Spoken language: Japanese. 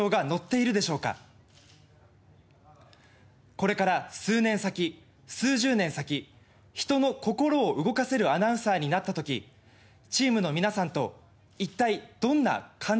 これから数年先数十年先人の心を動かせるアナウンサーになった時チームの皆さんと一体どんな感情を共有できるのか